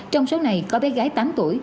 trong số này có bé gái tám tuổi